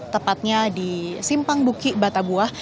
tepatnya di simpang buki batabuah